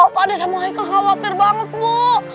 apa ada sama heike khawatir banget bu